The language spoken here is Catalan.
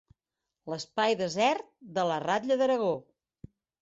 L'espai desert de la ratlla d'Aragó.